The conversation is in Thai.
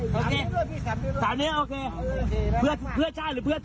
พี่สามเนี่ยเย็นดีเพื่อเผื่อใจหรือเพื่อเธอ